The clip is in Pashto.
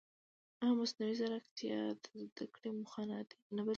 ایا مصنوعي ځیرکتیا د زده کړې موخه نه بدلوي؟